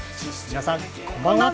皆さんこんばんは。